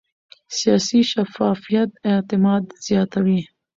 سیاسي شفافیت اعتماد زیاتوي